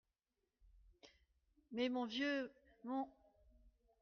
Mais mon vieux,… mon…